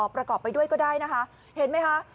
ประกอบไปด้วยก็ได้นะคะเห็นไหมคะ